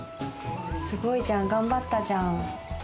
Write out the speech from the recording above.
すごいじゃん、頑張ったじゃん！